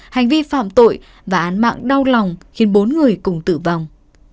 hành vi phạm tội và án mạng đau lòng khiến bốn người cùng tử vong